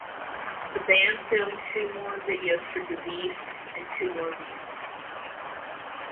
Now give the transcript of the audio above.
The band filmed two more videos for "Disease" and "Two More Reasons".